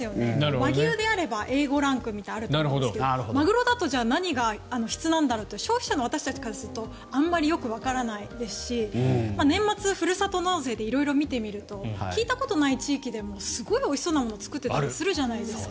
和牛であればＡ５ランクみたいなのがあると思いますがマグロだと何が質なんだろうって消費者の私たちからするとあんまりよくわからないですし年末、ふるさと納税で色々見てみると聞いたことない地域でもすごいおいしそうなものを作っていたりするじゃないですか。